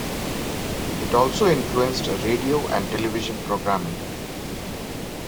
It also influenced radio and television programming.